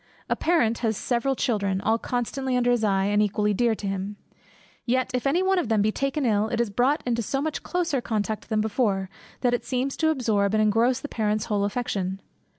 A parent has several children, all constantly under his eye, and equally dear to him. Yet if any one of them be taken ill, it is brought into so much closer contact than before, that it seems to absorb and engross the parent's whole affection.